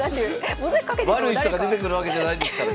悪い人が出てくるわけじゃないですからね。